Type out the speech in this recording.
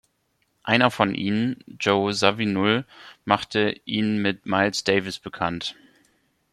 Einer von Ihnen, Joe Zawinul, machte ihn mit Miles Davis bekannt.